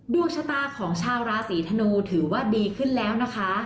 ดวงชะตาของชาวราศีธนูถือว่าดีขึ้นแล้วนะคะ